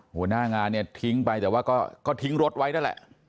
หัวหน้างานเนี่ยทิ้งไปแต่ว่าก็ทิ้งรถไว้นั่นแหละ